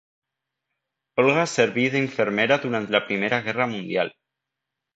Olga serví d'infermera durant la Primera Guerra Mundial.